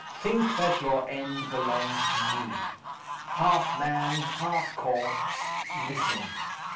Think that your end belongs to me. Half man, half corpse, listen!